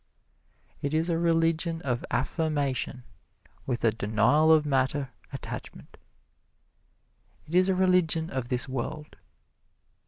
It is a religion of affirmation with a denial of matter attachment. It is a religion of this world.